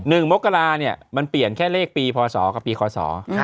มกราเนี่ยมันเปลี่ยนแค่เลขปีพศกับปีคศ